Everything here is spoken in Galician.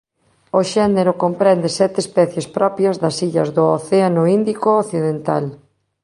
O xénero comprende sete especies propias das illas do océano Índico occidental.